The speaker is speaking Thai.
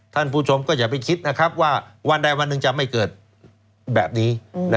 ท่านผู้ชมก็อย่าไปคิดนะครับว่าวันใดวันหนึ่งจะไม่เกิดแบบนี้